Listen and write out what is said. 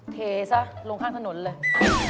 เทซะลงข้างถนนเลย